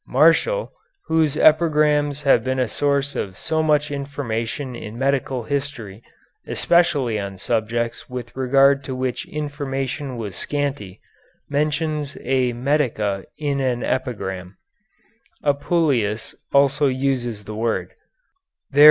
Martial, whose epigrams have been a source of so much information in medical history, especially on subjects with regard to which information was scanty, mentions a medica in an epigram. Apuleius also uses the word.